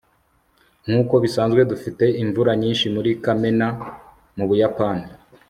nkuko bisanzwe dufite imvura nyinshi muri kamena mubuyapani